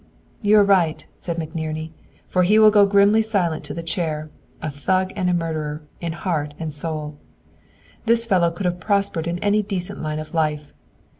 "You are right," said McNerney; "for he will go grimly silent to the chair, a thug and a murderer, in heart and soul. "This fellow could have prospered in any decent line of life!